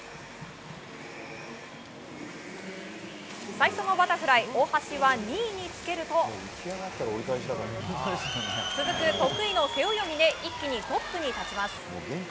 最初のバタフライ大橋は２位につけると続く得意の背泳ぎで一気にトップに立ちます。